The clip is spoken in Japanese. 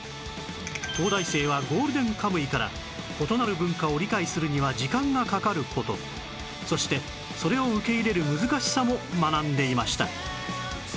東大生は『ゴールデンカムイ』から異なる文化を理解するには時間がかかる事そしてそれを受け入れる難しさも学んでいました